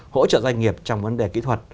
hỗ trợ doanh nghiệp trong vấn đề kỹ thuật